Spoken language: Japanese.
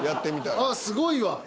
あっすごいわ。